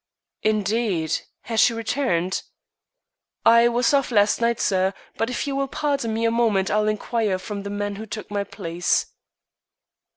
"Indeed. Has she returned?" "I was off last night, sir, but if you will pardon me a moment I'll inquire from the man who took my place."